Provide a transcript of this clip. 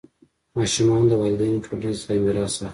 ماشومان د والدینو ټولنیز ځای میراث اخلي.